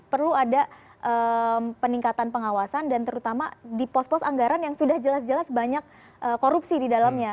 perlu ada peningkatan pengawasan dan terutama di pos pos anggaran yang sudah jelas jelas banyak korupsi di dalamnya